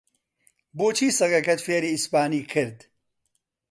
بۆچی سەگەکەت فێری ئیسپانی کرد؟